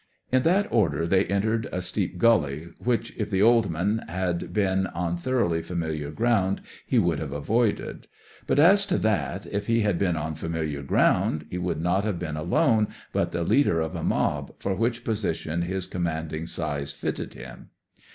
In that order they entered a steep gully which, if the old man had been on thoroughly familiar ground, he would have avoided. But, as to that, if he had been on familiar ground, he would not have been alone, but the leader of a mob, for which position his commanding size fitted him.